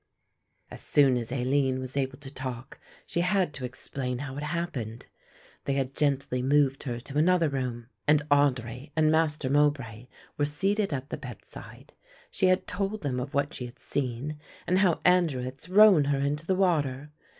As soon as Aline was able to talk she had to explain how it happened. They had gently moved her to another room and Audry and Master Mowbray were seated at the bedside. She had told them of what she had seen and how Andrew had thrown her into the water.